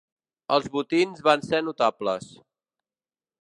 Els botins van ser notables.